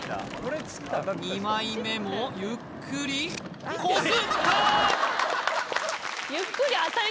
２枚目もゆっくりこすった！